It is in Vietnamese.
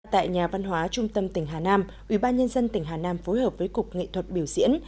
tại nhà văn hóa trung tâm tỉnh hà nam ubnd tỉnh hà nam phối hợp với cục nghệ thuật biểu diễn